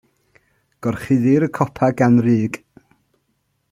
Gorchuddir y copa gan rug.